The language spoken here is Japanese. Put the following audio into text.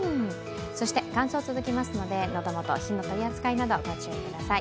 乾燥続きますので、喉元、火の取り扱いなどご注意ください。